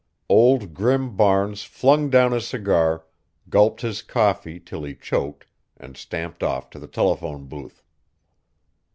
Old Grim Barnes flung down his cigar, gulped his coffee till he choked and stamped off to the telephone booth.